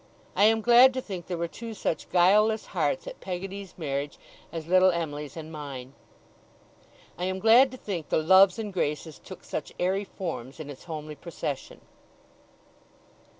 I am glad to think there were two such guileless hearts at Peggotty's marriage as little Em'ly's and mine. I am glad to think the Loves and Graces took such airy forms in its homely procession.